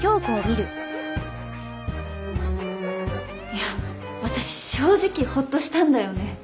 いや私正直ほっとしたんだよね。